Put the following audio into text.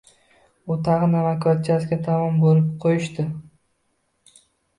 U tag‘in amakivachchasi tomon burib qo‘yishdi.